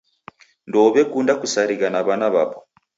Ndouw'ekunda kusarigha na w'ana w'apo.